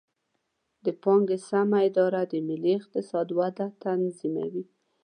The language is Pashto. د پانګې سمه اداره د ملي اقتصاد وده تضمینوي.